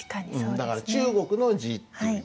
だから中国の字っていう意味。